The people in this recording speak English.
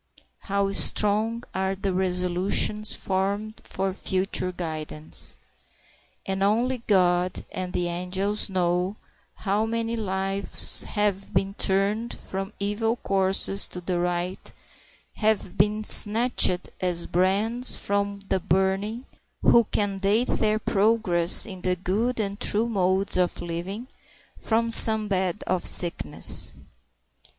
How strong are the resolutions formed for future guidance! And only God and the angels know how many lives have been turned from evil courses to the right, have been snatched as brands from the burning, who can date their progress in the good and true modes of living from some bed of sickness.